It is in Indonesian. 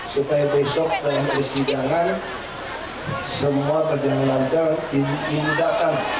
supaya besok dalam kesidangan semua kejadian lancar dihidupkan